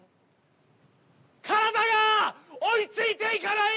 体が追いついていかない！